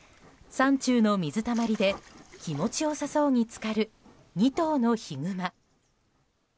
山中の水たまりで気持ち良さそうに浸かる２頭のヒグマ。